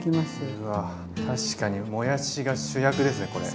うわ確かにもやしが主役ですねこれ。